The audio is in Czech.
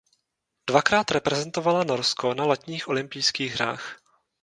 Dvakrát reprezentovala Norsko na letních olympijských hrách.